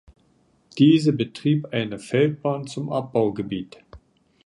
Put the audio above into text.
Diese betrieb eine Feldbahn zum Abbaugebiet.